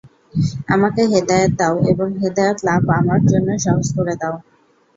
আমাকে হেদায়াত দাও এবং হেদায়াত লাভ আমার জন্য সহজ করে দাও।